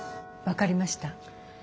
分かりました。